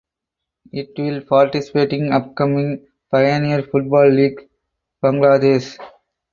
It will participating upcoming Pioneer Football League (Bangladesh).